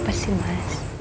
apa sih mas